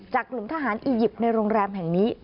กลุ่มทหารอียิปต์ในโรงแรมแห่งนี้